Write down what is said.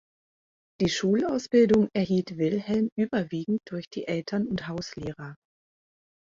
Die Schulausbildung erhielt Wilhelm überwiegend durch die Eltern und Hauslehrer.